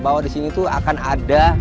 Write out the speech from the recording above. bahwa disini tuh akan ada